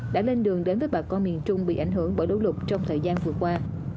đã lên đường đến với bà con miền trung bị ảnh hưởng bởi lũ lụt trong thời gian vừa qua